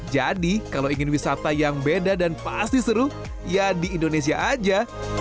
jadi kalau ingin wisata yang beda dan pasti seru ya di indonesia aja